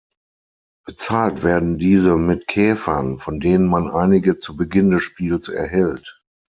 Bezahlt werden diese mit Käfern, von denen man einige zu Beginn des Spiels erhält.